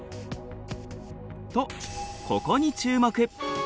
とここに注目。